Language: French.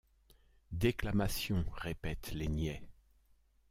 Déclamations, répètent les niais.